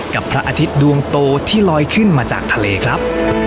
กับพระอาทิตย์ดวงโตที่ลอยขึ้นมาจากทะเลครับ